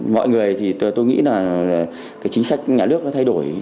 mọi người thì tôi nghĩ là cái chính sách nhà nước nó thay đổi